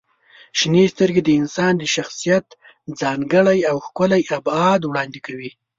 • شنې سترګې د انسان د شخصیت ځانګړی او ښکلی ابعاد وړاندې کوي.